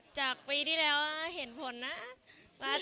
จากปีที่แล้วเห็นผลนะ